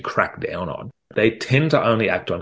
mereka terbiasa hanya berpikir tentang penyelesaian